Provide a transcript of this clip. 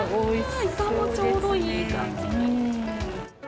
イカもちょうどいい感じに。